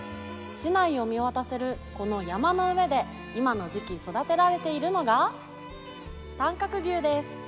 市内を見渡せるこの山の上で今の時期、育てられているのが短角牛です。